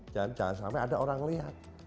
jangan sampai ada orang lihat